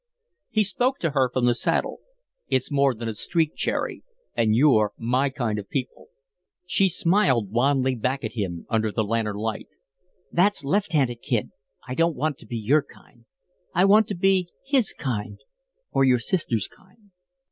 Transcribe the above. He spoke to her from the saddle. "It's more than a streak, Cherry, and you're my kind of people." She smiled wanly back at him under the lantern light. "That's left handed, Kid. I don't want to be your kind. I want to be his kind or your sister's kind."